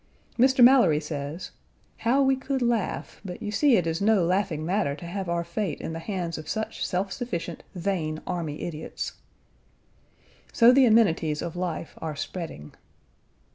Mr. Mallory says, "How we could laugh, but you see it is no laughing matter to have our fate in the hands of such self sufficient, vain, army idiots." So the amenities of life are spreading.